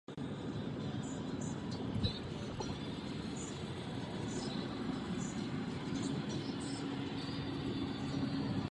Každoročně Knižní klub pořádá Literární cenu Knižního klubu.